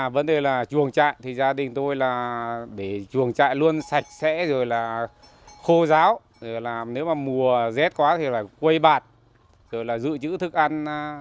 vấn đề là chuồng trại gia đình tôi là để chuồng trại luôn sạch sẽ rồi là khô ráo nếu mà mùa rét quá thì quây bạt rồi là dự trữ thức ăn